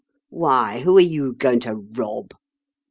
Why, who are you going to rob